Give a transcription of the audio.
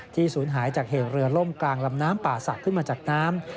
ศูนย์หายจากเหตุเรือล่มกลางลำน้ำป่าศักดิ์ขึ้นมาจากน้ำ